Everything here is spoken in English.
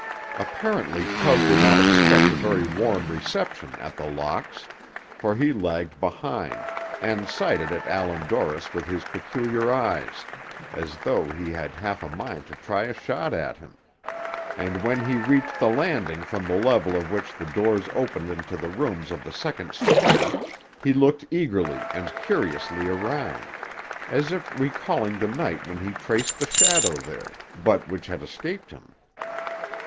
Apparently Tug did not expect a very warm reception at The Locks, for he lagged behind, and sighted at Allan Dorris with his peculiar eyes, as though he had half a mind to try a shot at him; and when he reached the landing from the level of which the doors opened into the rooms of the second story, he looked eagerly and curiously around, as if recalling the night when he traced the shadow there, but which had escaped him.